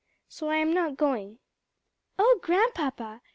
So I am not going." "Oh Grandpapa!"